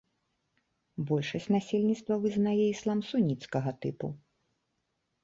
Большасць насельніцтва вызнае іслам суніцкага тыпу.